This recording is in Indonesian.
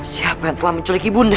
siapa yang telah menculik ibunda